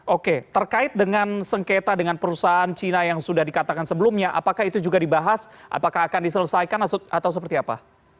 oke terkait dengan sengketa dengan perusahaan cina yang sudah dikatakan sebelumnya apakah itu juga dibahas apakah akan diselesaikan atau seperti apa